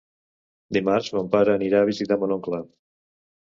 Dimarts mon pare anirà a visitar mon oncle.